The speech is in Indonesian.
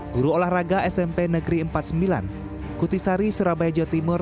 guru olahraga smp negeri empat puluh sembilan kutisari surabaya jawa timur